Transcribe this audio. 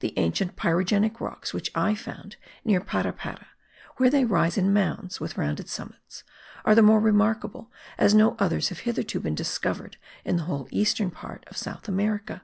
The ancient pyrogenic rocks which I found near Parapara where they rise in mounds with rounded summits, are the more remarkable as no others have hitherto been discovered in the whole eastern part of South America.